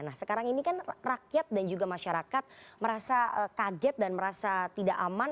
nah sekarang ini kan rakyat dan juga masyarakat merasa kaget dan merasa tidak aman